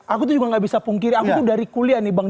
aku tuh juga gak bisa pungkiri aku tuh dari kuliah nih bang